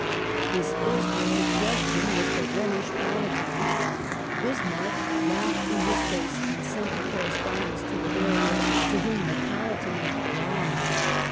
His first suggestion was the Rhenish Palatinate. Bismarck laughed in his face, and sent the correspondence to Bavaria, to whom the Palatinate belongeil.